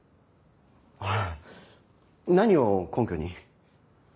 あぁ何を根拠に？